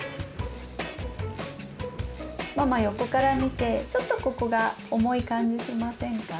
ママ横から見てちょっとここが重い感じしませんか？